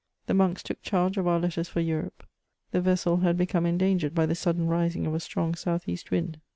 The monks took charge of our letters for Europe. The vessel had become endangered by the sudden rising of a strong south east wind.